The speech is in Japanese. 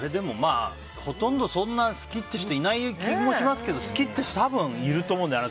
ほとんどそんなに好きって人いない気もしますけど好きって人多分いると思うんだよね。